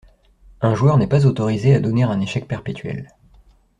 Un joueur n'est pas autorisé à donner un échec perpétuel.